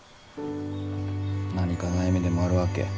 何か悩みでもあるわけ？